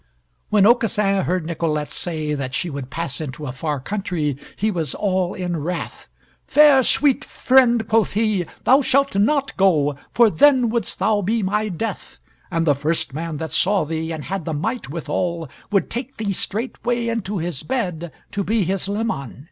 When Aucassin heard Nicolette say that she would pass into a far country, he was all in wrath. "Fair, sweet friend," quoth he, "thou shalt not go, for then wouldst thou be my death. And the first man that saw thee and had the might withal, would take thee straightway into his bed to be his leman.